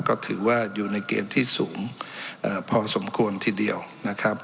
ก็ถือว่าอยู่ในเกณฑ์ที่สูงพอสมควรทีเดียวนะครับ